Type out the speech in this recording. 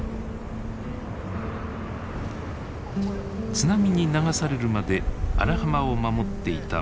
津波に流されるまで荒浜を守っていた松林。